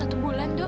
baru satu bulan dok